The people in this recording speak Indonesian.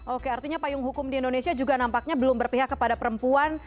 oke artinya payung hukum di indonesia juga nampaknya belum berpihak kepada perempuan